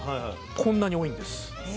こんなに多いんです。